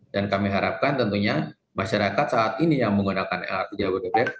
dan kami harapkan tentunya masyarakat saat ini yang menggunakan lrt jabodebek